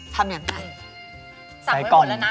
ทำอย่างไร